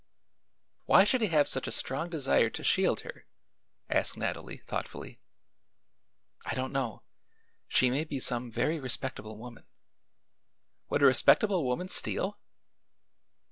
"Why should he have such a strong desire to shield her?" asked Nathalie thoughtfully. "I don't know. She may be some very respectable woman." "Would a respectable woman steal?"